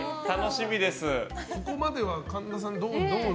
ここまでは神田さん